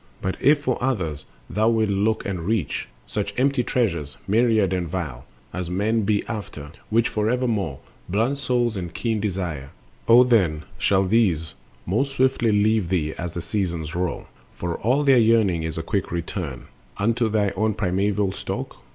But if for others thou wilt look and reach— Such empty treasures, myriad and vile, As men be after, which forevermore Blunt soul and keen desire—O then shall these Most swiftly leave thee as the seasons roll; For all their yearning is a quick return Unto their own primeval stock.